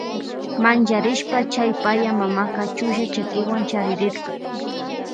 Mancharishpa chay paya mamaka chulla chakiwan chayarirka.